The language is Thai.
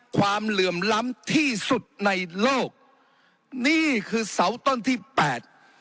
เหลื่อมล้ำที่สุดในโลกนี่คือเสาต้นที่แปด